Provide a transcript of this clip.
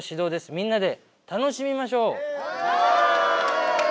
みんなで楽しみましょう！